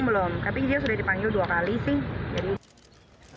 belum tapi dia sudah dipanggil dua kali sih